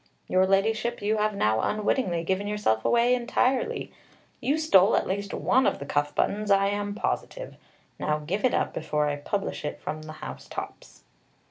"Your Ladyship, you have now unwittingly given yourself away entirely. You stole at least one of the cuff buttons, I am positive. Now, give it up before I publish it from the housetops."